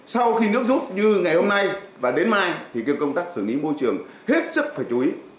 sau khi nước rút như ngày hôm nay và đến mai thì công tác xử lý môi trường hết sức phải chú ý